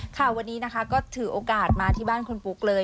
ค่ะวันนี้นะคะก็ถือโอกาสมาที่บ้านคุณปุ๊กเลย